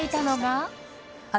私